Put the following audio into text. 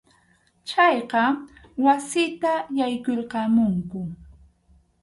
Chayqa wasita yaykurqamunku.